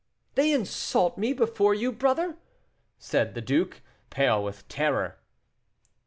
"They insult me before you, brother," said the duke, pale with terror.